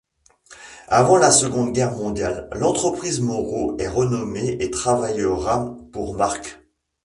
Avant la Seconde Guerre mondiale, l'entreprise Moreau est renommée et travaillera pour marques.